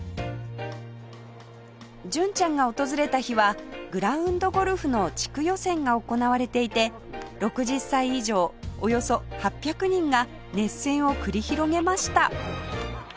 純ちゃんが訪れた日はグラウンド・ゴルフの地区予選が行われていて６０歳以上およそ８００人が熱戦を繰り広げました